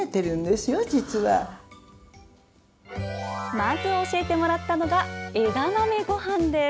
まず教えてもらったのが枝豆ごはんです。